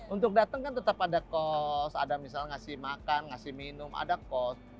untuk dateng kan tetep ada kos ada misalnya ngasih makan ngasih minum ada kos